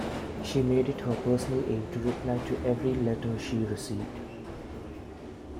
She made it her personal aim to reply to every letter she received.